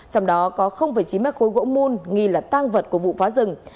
trong đó có chín mét khối gỗ mùn nghi là tang vật của vụ phá rừng